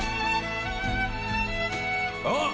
あっ！